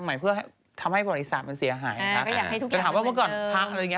แบบนี้ก็จ่ายใจ